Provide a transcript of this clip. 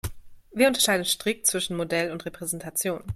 Wir unterscheiden strikt zwischen Modell und Repräsentation.